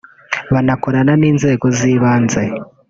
bakanakorana n’inzego z’ibanze